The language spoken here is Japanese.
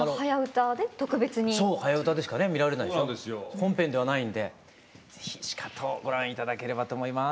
本編ではないんで是非しかとご覧頂ければと思います。